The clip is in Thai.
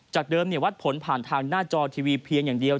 เดิมวัดผลผ่านทางหน้าจอทีวีเพียงอย่างเดียว